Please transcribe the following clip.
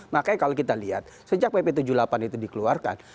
makanya kalau kita lihat sejak pp tujuh puluh delapan itu dikeluarkan